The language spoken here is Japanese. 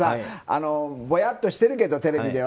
ぼやっとしてるけど、テレビでは。